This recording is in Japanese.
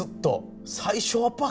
『最初はパー』